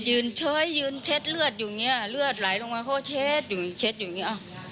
ยืนเช้ยยืนเช็ดเลือดอยู่นี้เลือดไหลลงมาเขาเช็ดอยู่นี้